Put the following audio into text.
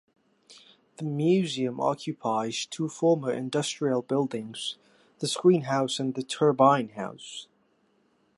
The museum occupies two former industrial buildings, the Screen House and the Turbine House.